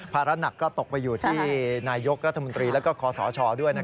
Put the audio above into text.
ระหนักก็ตกไปอยู่ที่นายกรัฐมนตรีและคอสชด้วย